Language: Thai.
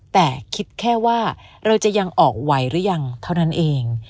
แต่คิดแค่ว่าเราจะยังออกไหวหรือยังเท่านั้นเอง